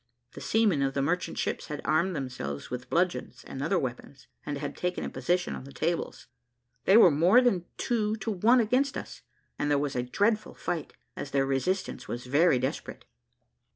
The seamen of the merchant ships had armed themselves with bludgeons and other weapons, and had taken a position on the tables. They were more than two to one against us, and there was a dreadful fight, as their resistance was very desperate.